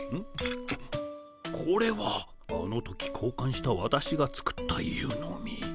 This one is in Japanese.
これはあの時こうかんしたわたしが作った湯飲み。